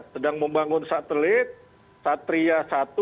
sedang membangun satelit satria satu